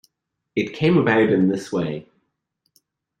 It came about in this way.